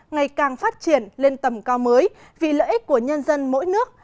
ngày càng phát triển lên tầm cao mới vì lợi ích của nhân dân mỗi nước